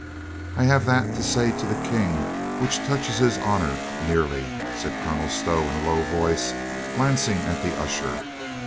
"I have that to say to the King which touches his honor nearly," said Colonel Stow in a low voice, glancing at the usher.